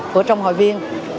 của trong hội viên